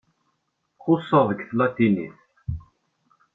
Xuṣṣeɣ deg tlatinit.